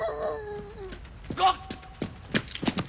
ゴッ！